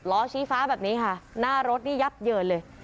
ล้อชี้ฟ้าแบบนี้ค่ะหน้ารถนี่ยับเยินเลย